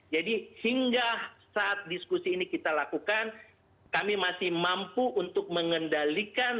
jadi hingga saat diskusi ini kita lakukan kami masih mampu untuk mengendalikan